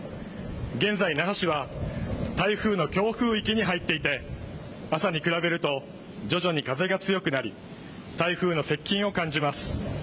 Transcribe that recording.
現在、那覇市は、台風の強風域に入っていて、朝に比べると、徐々に風が強くなり、台風の接近を感じます。